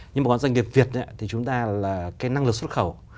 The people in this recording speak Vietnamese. nhưng mà có doanh nghiệp việt thì chúng ta là cái năng lực xuất khẩu